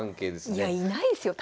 いやいないですよ